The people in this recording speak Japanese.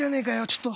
ちょっと。